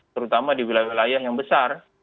terutama di wilayah wilayah yang besar